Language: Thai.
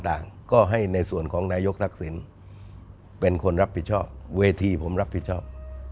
ต่างก็ให้ในส่วนของนายกทักษิณเป็นคนรับผิดชอบเวทีผมรับผิดชอบ